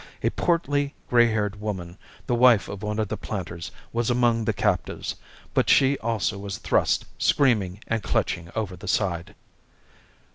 A portly, grey haired woman, the wife of one of the planters, was among the captives, but she also was thrust screaming and clutching over the side.